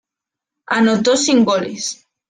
Anotó sin goles.